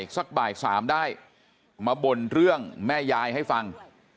สักบ่ายสามได้มาบ่นเรื่องแม่ยายให้ฟัง